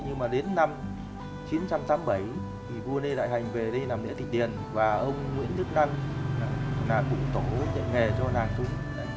nhưng mà đến năm chín trăm ba mươi bảy thì vua nê đại hành về đây làm địa tịch điền và ông nguyễn tức năng là cụ tổ dạy nghề cho làng trống